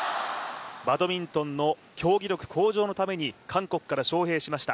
バドミントンの競技力向上のために韓国から招聘しました。